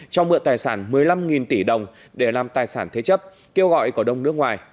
cho mượn tài sản một mươi năm tỷ đồng để làm tài sản thế chấp kêu gọi cổ đông nước ngoài